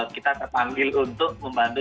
kita terpanggil untuk membantu